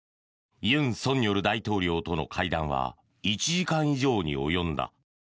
尹錫悦大統領との会談は１時間以上に及んだ。